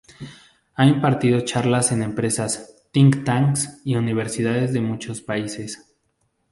Ha impartido charlas en empresas, think-tanks y universidades de muchos países.